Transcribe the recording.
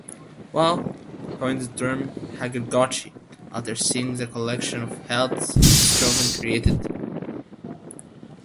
Waugh coined the term "hackergotchi" after seeing the collection of heads Stroven created.